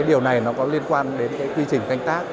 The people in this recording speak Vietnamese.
điều này có liên quan đến quy trình canh tác